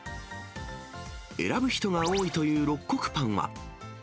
選ぶ人が多いという六穀パンは。